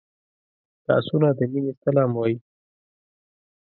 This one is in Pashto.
لاسونه د مینې سلام وايي